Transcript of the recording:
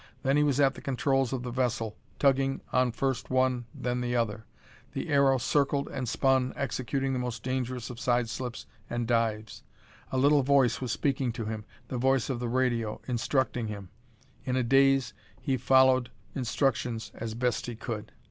Then he was at the controls of the vessel, tugging on first one, then the other. The aero circled and spun, executing the most dangerous of sideslips and dives. A little voice was speaking to him the voice of the radio instructing him. In a daze he followed instructions as best he could.